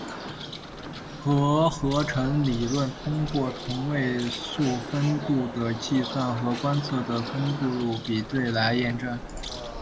核合成的理论通过同位素丰度的计算和观测的丰度比对来验证。